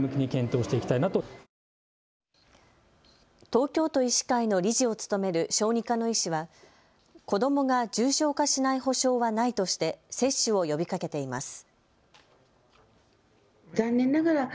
東京都医師会の理事を務める小児科の医師は子どもが重症化しない保証はないとして接種を呼びかけています。